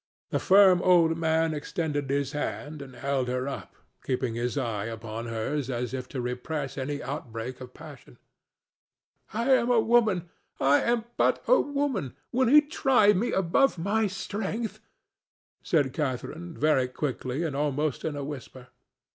The firm old man extended his hand and held her up, keeping his eye upon hers as if to repress any outbreak of passion. "I am a woman—I am but a woman; will He try me above my strength?" said Catharine, very quickly and almost in a whisper.